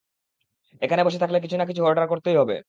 এখানে বসে থাকলে কিছু না কিছু অর্ডার করতেই হবে।